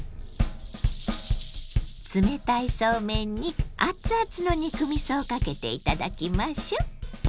冷たいそうめんに熱々の肉みそをかけて頂きましょう。